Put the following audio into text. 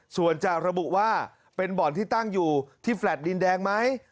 ส่วนจะระบุว่าเป็นบ่อนที่ตั้งอยู่ที่แฟลต์ดินแดงไหม